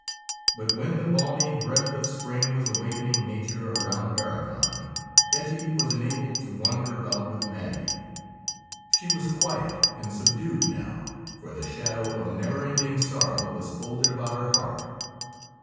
But when the balmy breath of spring was awakening Nature around Barrochan, Ettie was enabled to wander about with Maggie, She was quiet 54 STORIES WEIRD AND WONDERFUL and subdued now, for the shadow of a never ending sorrow was folded about her heart.